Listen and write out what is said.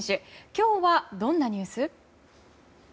今日はどんなニュース？